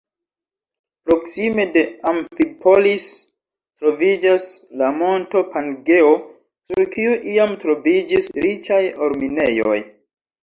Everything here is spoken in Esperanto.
Proksime de Amfipolis troviĝas la monto Pangeo, sur kiu iam troviĝis riĉaj or-minejoj.